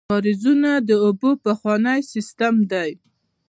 کاریزونه د اوبو پخوانی سیسټم دی.